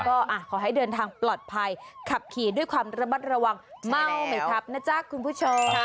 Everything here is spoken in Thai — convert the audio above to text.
ก็ขอให้เดินทางปลอดภัยขับขี่ด้วยความระมัดระวังเมาไหมครับนะจ๊ะคุณผู้ชม